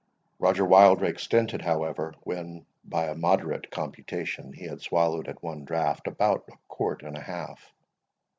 Roger Wildrake stinted, however, when, by a moderate computation, he had swallowed at one draught about a quart and a half.